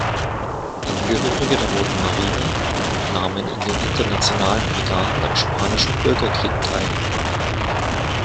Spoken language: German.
Angehörige der Roten Marine nahmen in den Internationalen Brigaden am Spanischen Bürgerkrieg teil.